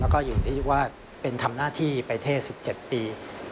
แล้วก็อยู่ที่ว่าเป็นทำหน้าที่ไปเทศ๑๗ปี